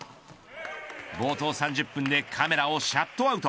冒頭３０分でカメラをシャットアウト。